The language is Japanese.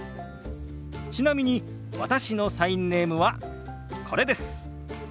ちなみに私のサインネームはこれです。